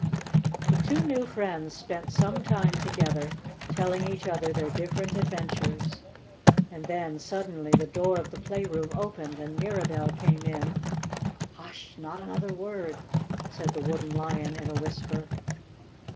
The two new friends spent some time together telling each other their different adventures, and then, suddenly, the door of the playroom opened and Mirabell came in. "Hush! Not another word!" said the Wooden Lion in a whisper.